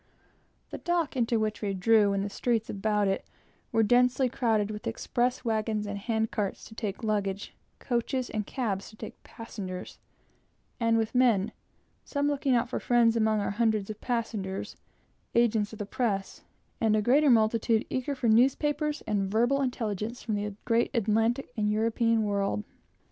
The dock into which we drew, and the streets about it, were densely crowded with express wagons and hand carts to take luggage, coaches and cabs for passengers, and with men, some looking out for friends among our hundreds of passengers, agents of the press, and a greater multitude eager for newspapers and verbal intelligence from the great Atlantic and European world.